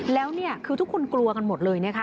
แล้วเนี่ยคือทุกคนกลัวกันหมดเลยนะคะ